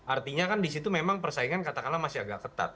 artinya kan disitu memang persaingan katakanlah masih agak ketat